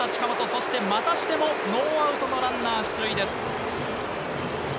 そしてまたしてもノーアウトのランナー出塁です。